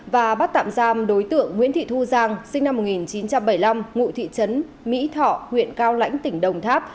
và bắt tạm giam đối tượng nguyễn thị thu giang sinh năm một nghìn chín trăm bảy mươi năm ngụ thị trấn mỹ thọ huyện cao lãnh tỉnh đồng tháp